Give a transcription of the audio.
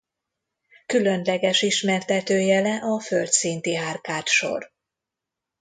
Különleges ismertetőjele a földszinti árkádsor.